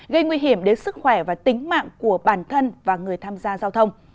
gây nguy hiểm đến sức khỏe và tính mạng của bản thân và người tham gia giao thông